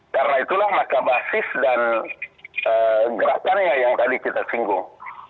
karena itulah maka basis dan gerakan yang tadi kita singgung